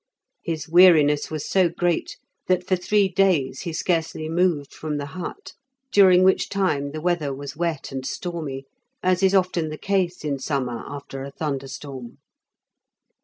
His weariness was so great that for three days he scarcely moved from the hut, during which time the weather was wet and stormy, as is often the case in summer after a thunderstorm.